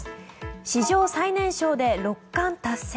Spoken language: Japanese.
史上最年少で六冠達成。